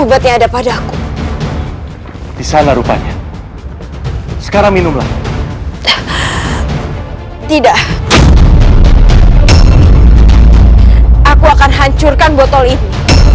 obatnya ada pada aku di sana rupanya sekarang minumlah tidak aku akan hancurkan botol ini